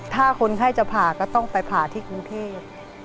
ถ้าคนให้จะพาก็ต้องไปพาที่กรุงเทศ